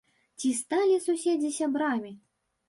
Ці сталі суседзі сябрамі?